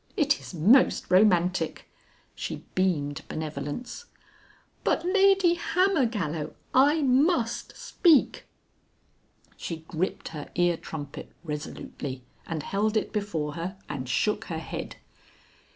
It is most romantic." She beamed benevolence. "But, Lady Hammergallow, I must speak!" She gripped her ear trumpet resolutely, and held it before her and shook her head.